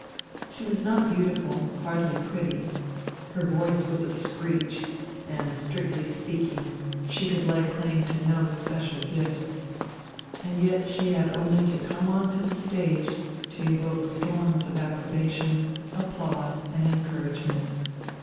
She was not beautiful, hardly pretty, her voice was a screech, and, strictly speaking, she could lay claim to no special gifts. And yet she had only to come on to the stage to evoke storms of approbation, applause, and encouragement.